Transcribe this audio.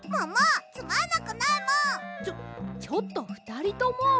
ちょちょっとふたりとも！